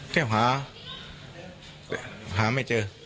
แน่อย่างพ่อจะหาหาไม่เจอ